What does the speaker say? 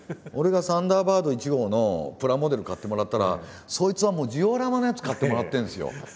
俺がサンダーバード１号のプラモデル買ってもらったらそいつはもうジオラマのやつ買ってもらってるんですよ。